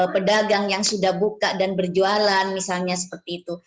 pedagang yang sudah buka dan berjualan misalnya seperti itu